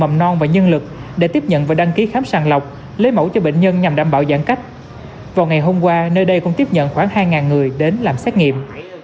mầm non và nhân lực để tiếp nhận và đăng ký khám sàng lọc lấy mẫu cho bệnh nhân nhằm đảm bảo giãn cách vào ngày hôm qua nơi đây cũng tiếp nhận khoảng hai người đến làm xét nghiệm